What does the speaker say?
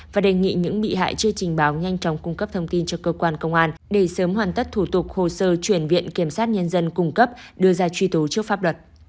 và đề nghị những bị hại chưa trình báo nhanh chóng cung cấp thông tin cho cơ quan công an để sớm hoàn tất thủ tục hồ sơ chuyển viện kiểm sát nhân dân cung cấp đưa ra truy tố trước pháp luật